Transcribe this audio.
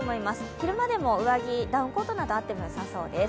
昼間でも上着、ダウンコートなどあってもよさそうです。